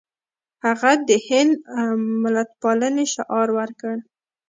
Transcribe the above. هغه د هند ملتپالنې شعار ورکړ.